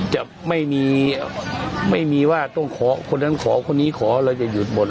จะไม่มีไม่มีว่าต้องขอคนนั้นขอคนนี้ขอเราจะหยุดหมด